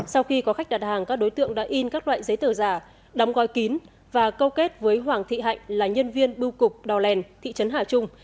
sau khi có khách đặt hàng các đối tượng đã in các loại giấy tờ giả đóng gói kín và câu kết với hoàng thị hạnh là nhân viên bưu cục đò lèn thị trấn hà trung